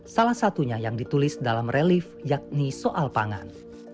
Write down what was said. salah satunya yang ditulis dalam relief yakni soal pangan